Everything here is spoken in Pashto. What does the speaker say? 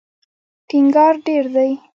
ټینګار ډېر دی.